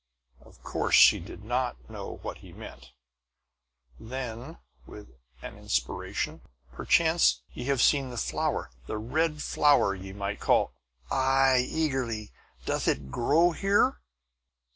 Of course, she did not know what he meant. "Then," with an inspiration, "perchance ye have see the flower, the red flower, ye might call " "Aye!" eagerly. "Doth it grow here?"